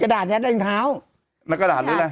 กระดาษที่ยัดในท้าวนั่นจะจับดูใช่ไหมถุงเท้าหรือเปล่า